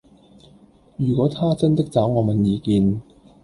如果他真的找我問意見